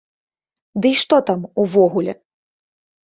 Дый што там, увогуле?